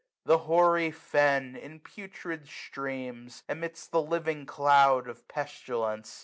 The hoary fen. In putrid steams, emits the living cloud Of pestilence.